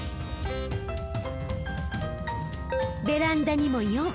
ベランダにも４。